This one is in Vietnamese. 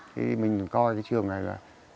thì mình coi cái trường này là